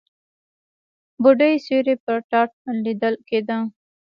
بوډۍ سيوری پر تاټ ليدل کېده.